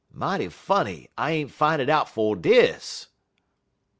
Mighty funny I ain't fine it out 'fo' dis.'